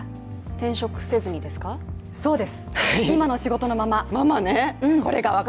転職せずにですか？